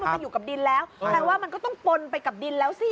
มันอยู่กับดินแล้วแปลว่ามันก็ต้องปนไปกับดินแล้วสิ